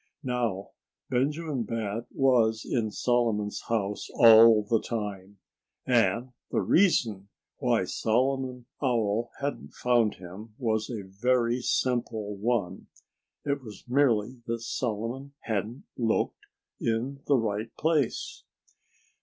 Now, Benjamin Bat was in Solomon's house all the time. And the reason why Solomon Owl hadn't found him was a very simple one. It was merely that Solomon hadn't looked in the right place.